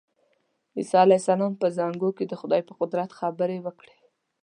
عیسی علیه السلام په زانګو کې د خدای په قدرت خبرې وکړې.